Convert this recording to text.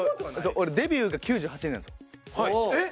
俺デビューが９８年なんですよ。えっ！